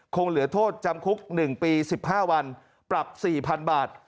คงเหลือโทษจำคุก๑ปี๑๕วันปรับ๔๐๐๐บาท